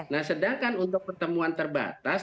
nah sedangkan untuk pertemuan terbatas